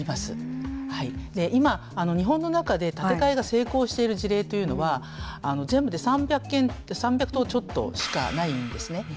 今日本の中で建て替えが成功している事例というのは全部で３００とちょっとしかないんですね。